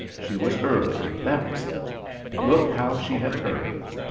She was early, that was it. Look how she had hurried.